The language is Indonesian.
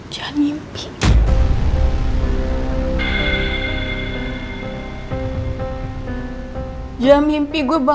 jadul yang dan gua